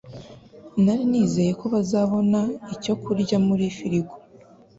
Nari nizeye ko tuzabona icyo kurya muri firigo.